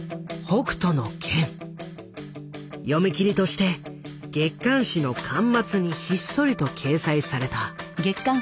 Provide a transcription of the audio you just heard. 読み切りとして月刊誌の巻末にひっそりと掲載された。